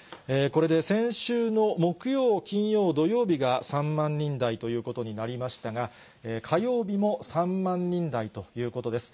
これで先週の木曜、金曜、土曜日が３万人台ということになりましたが、火曜日も３万人台ということです。